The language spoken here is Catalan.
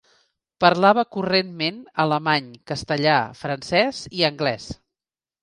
Parlava correntment alemany, castellà, francès i anglès.